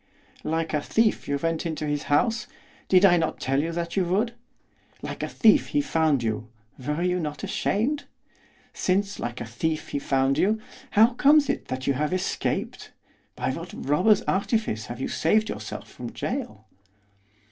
'Like a thief you went into his house, did I not tell you that you would? Like a thief he found you, were you not ashamed? Since, like a thief he found you, how comes it that you have escaped, by what robber's artifice have you saved yourself from gaol?